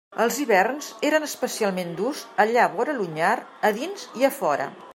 Els hiverns eren especialment durs allà vora l'Onyar, a dins i a fora.